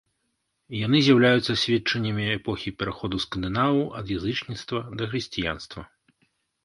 Яны з'яўляюцца сведчаннямі эпохі пераходу скандынаваў ад язычніцтва да хрысціянства.